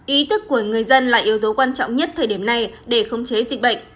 ý thức của người dân là yếu tố quan trọng nhất thời điểm này để khống chế dịch bệnh